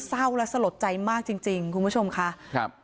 ซ่าวและสะลดใจมากจริงคุณผู้ชมค่ะครับ